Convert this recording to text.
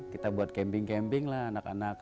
kita buat camping camping lah anak anak